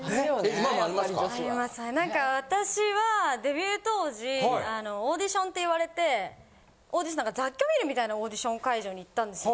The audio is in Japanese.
なんか私はデビュー当時オーディションって言われて雑居ビルみたいなオーディション会場に行ったんですよ。